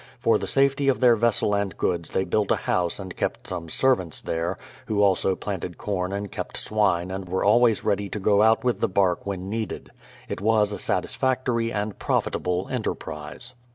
For the safety of their vessel and goods they built a house and kept some servants there, who also planted corn and kept swine and were always ready to go out with the bark when needed. It was a satisfactory and profitable enterprise.